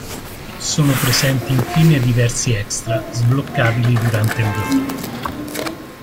Sono presenti infine diversi extra, sbloccabili durante il gioco.